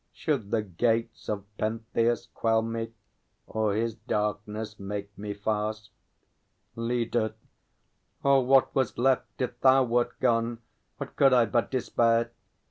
Should the gates of Pentheus quell me, or his darkness make me fast? LEADER. Oh, what was left if thou wert gone? What could I but despair?